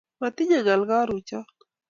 Motinyte ngal karuchan